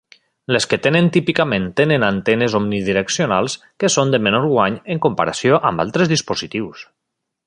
Les que tenen típicament tenen antenes omnidireccionals que són de menor guany en comparació amb altres dispositius.